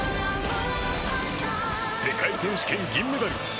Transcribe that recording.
世界選手権銀メダル